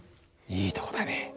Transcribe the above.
いいとこだね。